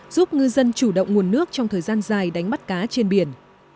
giúp ngư dân chủ động nguồn nước trong thời gian dài đánh bắt cá trên biển